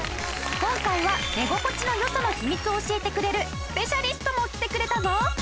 今回は寝心地の良さの秘密を教えてくれるスペシャリストも来てくれたぞ。